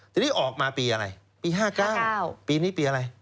ทีนี้ออกมาปีอะไรปี๕๙ปีนี้ปีอะไร